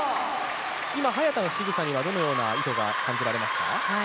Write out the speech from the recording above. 今、早田のしぐさにはどのような意図が感じられますか？